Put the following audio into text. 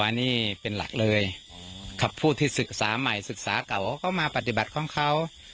อันนี้เป็นหลักเลยกับผู้ที่ศึกษาใหม่ศึกษาเก่าเขาก็มาปฏิบัติของเขา